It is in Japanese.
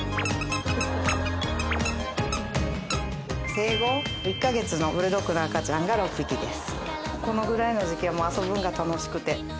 生後１カ月のブルドッグの赤ちゃんが６匹です。